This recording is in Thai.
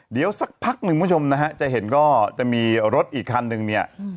เดี๋ยวสักพักหนึ่งคุณผู้ชมนะฮะจะเห็นก็จะมีรถอีกคันนึงเนี่ย